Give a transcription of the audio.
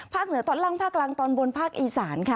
เหนือตอนล่างภาคกลางตอนบนภาคอีสานค่ะ